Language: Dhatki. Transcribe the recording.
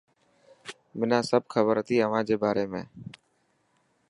منان سڀ کبر هتي اوهان جي باري ۾.